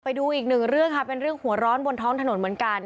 ไปดูอีกหนึ่งเรื่องค่ะเป็นเรื่องหัวร้อนบนท้องถนนเหมือนกัน